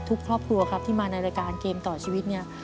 ครอบครัวครับที่มาในรายการเกมต่อชีวิตเนี่ย